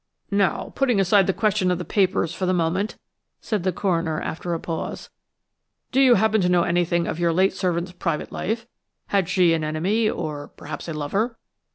"Now, putting aside the question of the papers for the moment," said the coroner, after a pause, "do you happen to know anything of your late servant's private life? Had she an enemy, or perhaps a lover?"